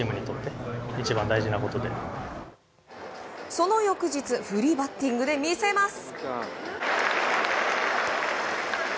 その翌日フリーバッティングで見せます。